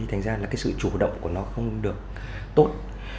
thành ra là cái sự chủ động của nó không được tốt